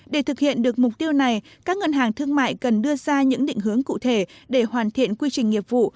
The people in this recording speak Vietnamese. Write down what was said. để thực hiện được mục tiêu này các ngân hàng thương mại cần đưa ra những định hướng cụ thể để hoàn thiện quy trình nghiệp vụ